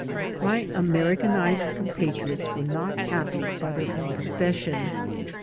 My Americanized compatriots were not happy, by their own confession.